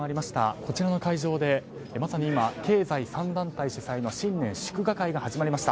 こちらの会場でまさに今経済３団体主催の新年祝賀会が始まりました。